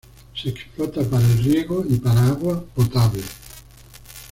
Se explota para riego y para agua potable.